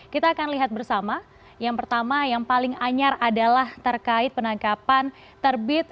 kita akan lihat bersama yang pertama yang paling anyar adalah terkait penangkapan terbit